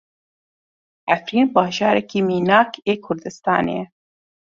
Efrîn bajarekî mînak ê Kurdistanê ye.